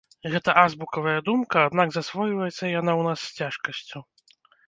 Гэта азбукавая думка, аднак засвойваецца яна ў нас з цяжкасцю.